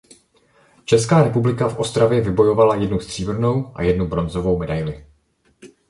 Česká republika v Ostravě vybojovala jednu stříbrnou a jednu bronzovou medaili.